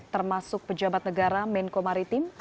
termasuk pejabat negara menko maritim